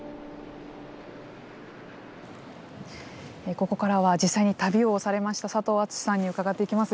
ここからは実際に旅をされました佐藤厚志さんに伺っていきます。